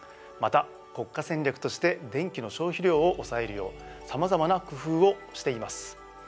また国家戦略として電気の消費量を抑えるようさまざまな工夫をしています。